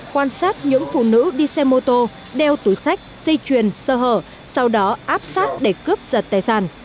quan sát những phụ nữ đi xe mô tô đeo túi sách dây chuyền sơ hở sau đó áp sát để cướp giật tài sản